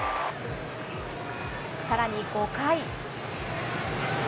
さらに５回。